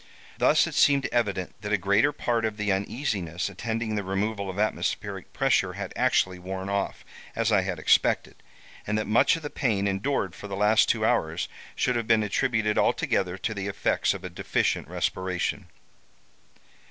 Thus it seemed evident that a greater part of the uneasiness attending the removal of atmospheric pressure had actually worn off, as I had expected, and that much of the pain endured for the last two hours should have been attributed altogether to the effects of a deficient respiration.